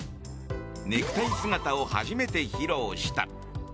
ネクタイ姿を初めて披露した。